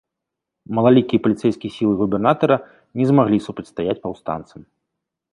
Малалікія паліцэйскія сілы губернатара не змаглі супрацьстаяць паўстанцам.